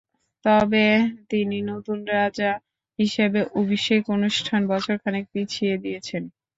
তবে তিনি নতুন রাজা হিসেবে অভিষেক অনুষ্ঠান বছর খানেক পিছিয়ে দিয়েছেন।